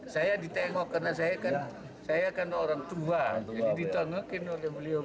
saya ditengok karena saya kan saya kan orang tua jadi ditengokin oleh beliau